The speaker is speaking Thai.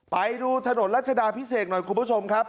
ไปดูถนนรัชดาพิเศษหน่อยคุณผู้ชมครับ